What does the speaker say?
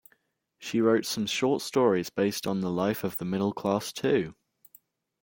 She wrote some short stories based on the life of the middle class too.